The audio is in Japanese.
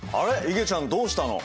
いげちゃんどうしたの？